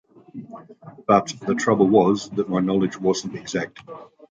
But the trouble was that my knowledge wasn’t exact.